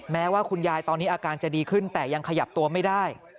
แม้ว่าคุณยายตอนนี้อาการจะดีขึ้นแต่ยังขยับตัวไม่ได้